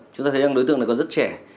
chúng ta thấy đối tượng này còn rất trẻ